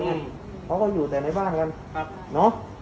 เขาก็อยู่ในบ้านกัน